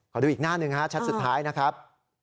ดูอีกหน้าหนึ่งฮะชัดสุดท้ายนะครับ